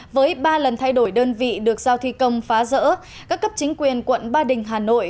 với ba lần thay đổi đơn vị được giao thi công phá rỡ các cấp chính quyền quận ba đình hà nội